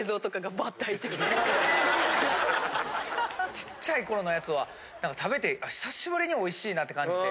ちっちゃい頃のやつは食べて久しぶりにおいしいなって感じて。